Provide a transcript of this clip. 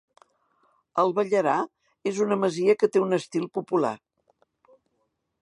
El Ballarà és una masia que té un estil popular.